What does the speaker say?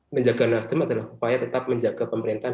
menjaga nasdem adalah upaya tetap menjaga pemerintahan